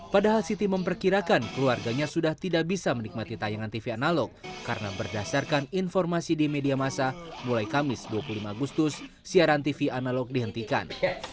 padahal siti memperkirakan keluarganya sudah tidak bisa menikmati tayangan tv analog karena berdasarkan informasi di media masa mulai kamis dua puluh lima agustus siaran tv analog dihentikan